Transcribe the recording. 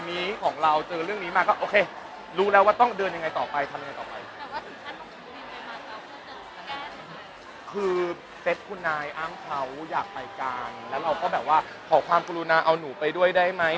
ไม่รู้เพราะว่าตูนไม่ได้อยู่ในรายการนั้นด้วย